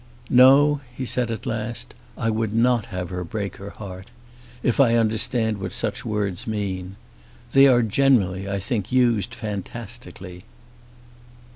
"No," he said at last; "I would not have her break her heart, if I understand what such words mean. They are generally, I think, used fantastically."